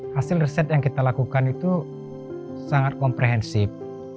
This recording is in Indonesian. hasil riset yang kita lakukan itu sangat komprehensif